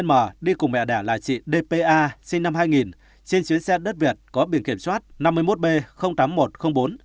m đi cùng mẹ đẻ là chị dpa sinh năm hai nghìn trên chuyến xe đất việt có biển kiểm soát năm mươi một b tám nghìn một trăm linh bốn